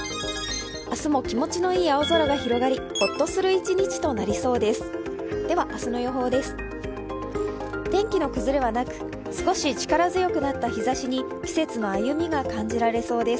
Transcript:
明日も気持ちのいい青空が広がり、ホッとする一日となりそうです。